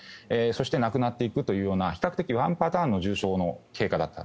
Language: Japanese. そして亡くなっていくというような比較的ワンパターンの重症化の傾向だった。